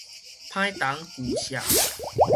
歹銅舊錫